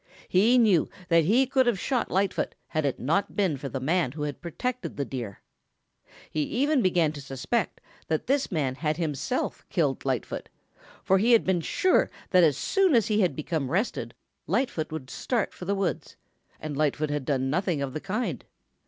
He knew that he could have shot Lightfoot had it not been for the man who had protected the Deer. He even began to suspect that this man had himself killed Lightfoot, for he had been sure that as soon as he had become rested Lightfoot would start for the woods, and Lightfoot had done nothing of the kind.